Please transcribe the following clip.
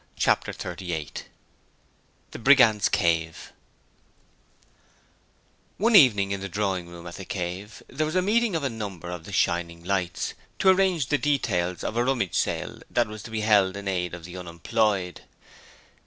Chapter 38 The Brigands' Cave One evening in the drawing room at 'The Cave' there was a meeting of a number of the 'Shining Lights' to arrange the details of a Rummage Sale, that was to be held in aid of the unemployed.